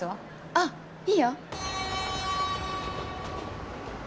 あっいいよ！